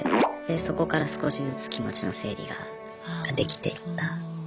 そこから少しずつ気持ちの整理ができていった。